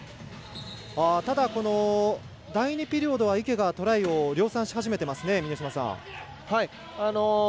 ただ、第２ピリオドは池がトライを量産し始めていますね。